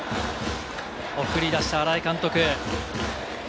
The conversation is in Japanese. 送り出した新井監督。